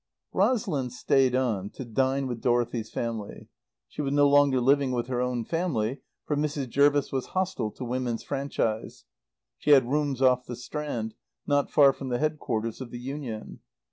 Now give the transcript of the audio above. Rosalind stayed on to dine with Dorothy's family. She was no longer living with her own family, for Mrs. Jervis was hostile to Women's Franchise. She had rooms off the Strand, not far from the headquarters of the Union.